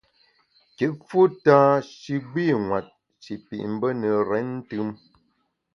Kit fu tâ shi gbînwet, shi pit mbe ne renntùm.